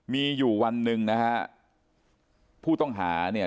มีอยู่วันหนึ่งนะฮะผู้ต้องหาเนี่ย